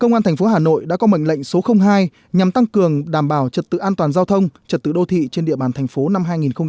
công an thành phố hà nội đã có mệnh lệnh số hai nhằm tăng cường đảm bảo trật tự an toàn giao thông trật tự đô thị trên địa bàn thành phố năm hai nghìn hai mươi